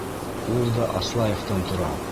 Ул да Аслаевтан тора.